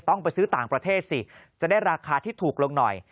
ต้องไปซื้อต่างประเทศสิจะได้ราคาที่ถูกลงหน่อย